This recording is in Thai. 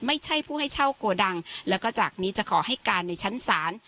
ไม่ใช่ผู้ให้เช่าโกดังแล้วก็จากนี้จะขอให้การในชั้นศาล